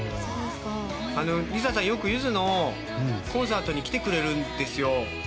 ＬｉＳＡさんはよく、ゆずのコンサートに来てくれるんですよ。